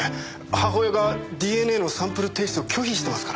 母親がＤＮＡのサンプル提出を拒否してますから。